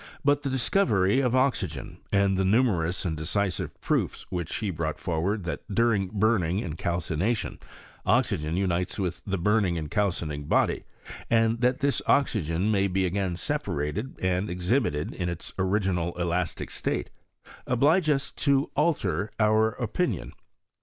But the discovery of oxygen, and the numerous and decisive proofs which he brought forward that during burning and calcination oxygen unites with the burning and calcining body, and that this oxygen may be again separated and exhibited in its origi nal elastic slate oblige us to alter our opinion.